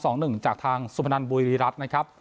รหลุดสองหนึ่งจากทางสุพนันบุรีรัฐนะครับ